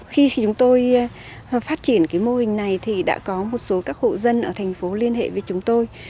khi chúng tôi phát triển cái mô hình này thì đã có một số các hộ dân ở thành phố liên hệ với chúng tôi